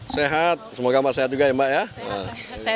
sehat semoga pak sehat juga ya mbak